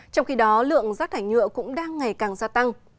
trong khi đó lượng rác thải nhựa cũng đang ngày càng gia tăng